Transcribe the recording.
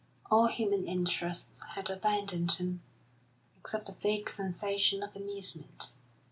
All human interests had abandoned him, except a vague sensation of amusement.